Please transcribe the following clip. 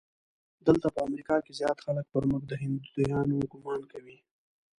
دلته په امریکا کې زیات خلک پر موږ د هندیانو ګومان کوي.